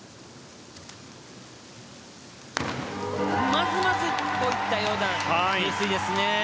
まずまずといったような入水ですね。